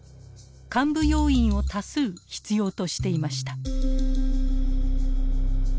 幹部要員を多数必要としていました。